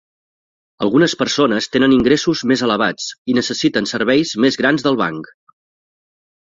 Algunes persones tenen ingressos més elevats i necessiten serveis més grans del banc.